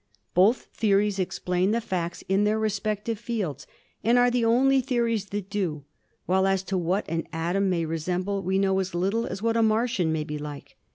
Both theories explain the facts in their respective fields and are the only theories that do, while as to what an atom may resemble we know as little as what a Martian may be like.